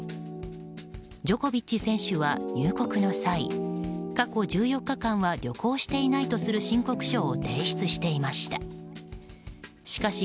ジョコビッチ選手は入国の際過去１４日間は旅行していないとする申告書を提出していました。